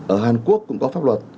ở hàn quốc cũng có pháp luật